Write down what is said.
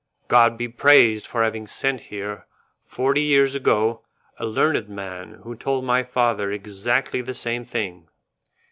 "God be praised for having sent here, forty years ago, a learned man who told my father exactly the same thing!